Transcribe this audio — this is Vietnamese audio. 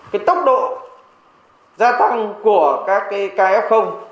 cái tốc độ gia tăng của các ca f